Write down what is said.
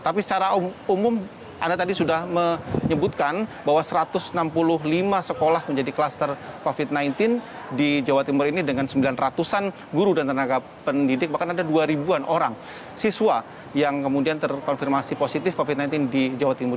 tapi secara umum anda tadi sudah menyebutkan bahwa satu ratus enam puluh lima sekolah menjadi kluster covid sembilan belas di jawa timur ini dengan sembilan ratus an guru dan tenaga pendidik bahkan ada dua ribuan orang siswa yang kemudian terkonfirmasi positif covid sembilan belas di jawa timur